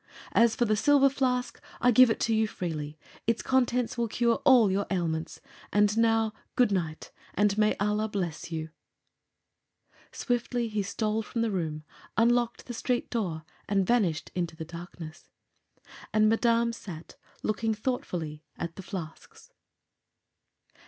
As for the silver flask, I give it to you freely. Its contents will cure all your ailments. And now, good night, and may Allah bless you!" Swiftly he stole from the room, unlocked the street door and vanished into the darkness. And Madame sat looking thoughtfully at the flasks.